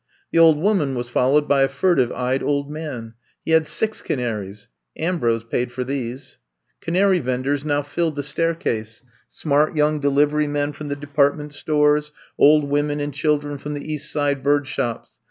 The old woman was followed by a fur tive eyed old man. He had six canaries. Ambrose paid for these. Canary venders now filled the staircase — smart young delivery men from the de partment stores, old women and children from the East Side bird shops.